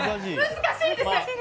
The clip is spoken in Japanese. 難しいんですよ！